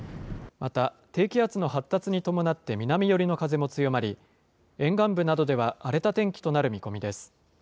また低気圧の発達に伴って南寄りの風も強まり、沿岸部などでは、荒れた天気となる見込みです。